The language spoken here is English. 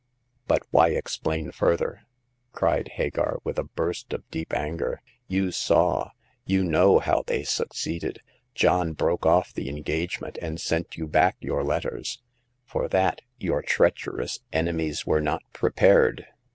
But why explain further ?" cried Hagar, with a burst of deep anger. "You saw — you know how they succeeded. John broke off the engagement and sent you back your letters. For that your treacherous enemies were not prepared.